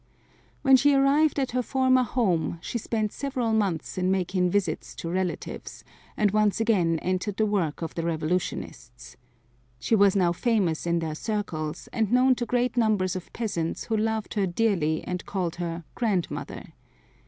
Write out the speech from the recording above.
When she arrived at her former home she spent several months in making visits to relatives, and once again entered the work of the revolutionists. She was now famous in their circles and known to great numbers of peasants who loved her dearly and called her "Grandmother."